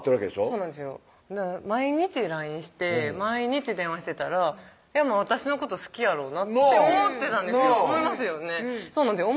そうなんですよ毎日ＬＩＮＥして毎日電話してたら私のこと好きやろうなってなぁ思いますよねそうなんですよ